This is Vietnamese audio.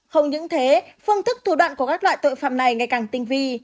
không những thế phương thức thủ đoạn của các loại tội phạm này ngày càng tinh vi